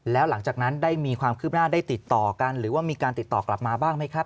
แล้วหลังจากนั้นได้มีความคืบหน้าได้ติดต่อกันหรือว่ามีการติดต่อกลับมาบ้างไหมครับ